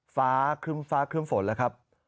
ฟ้าเคลื่อมฝนแล้วครับ